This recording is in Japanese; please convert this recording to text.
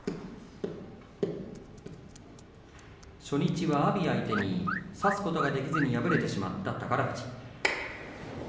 初日は阿炎相手に差すことができずに敗れてしまった宝富士。